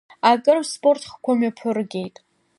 Акыр спорт хкқәа мҩаԥыргеит…